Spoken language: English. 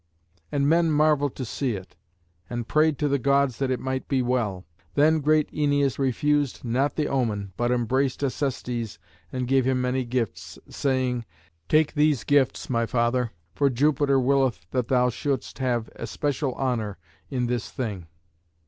And men marvelled to see it, and prayed to the Gods that it might be well. Then great Æneas refused not the omen, but embraced Acestes and gave him many gifts, saying, "Take these gifts, my father, for Jupiter willeth that thou shouldst have especial honour in this thing.